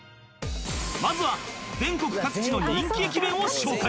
まずは全国各地の人気駅弁を紹介